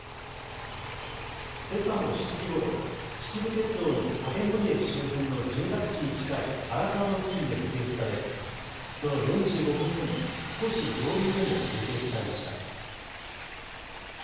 けさも７時ごろ、秩父鉄道の影森駅周辺の住宅地に近い荒川の付近で目撃されその４５分後に少し上流でも目撃されました。